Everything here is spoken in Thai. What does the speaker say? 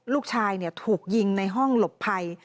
ลูกชายถูกยิงในห้องหลบภัย